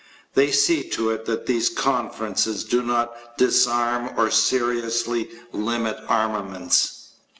They see to it that these conferences do not disarm or seriously limit armaments.